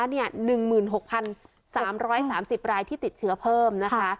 เนี่ยหนึ่งหมื่นหกพันสามร้อยสามสิบรายที่ติดเชื้อเพิ่มนะคะ